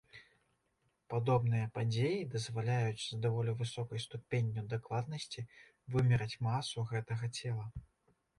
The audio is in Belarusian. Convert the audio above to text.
Падобныя падзеі дазваляюць з даволі высокай ступенню дакладнасці вымераць масу гэтага цела.